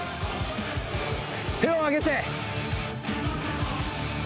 手を上げて！